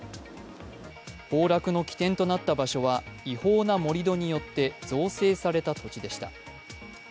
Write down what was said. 崩落の起点となった場所は違法な盛り土によって造成された土地でした。